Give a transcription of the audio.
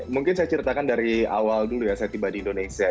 mungkin saya ceritakan dari awal dulu ya saya tiba di indonesia